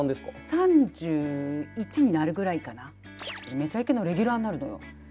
「めちゃイケ」のレギュラーになるのよ。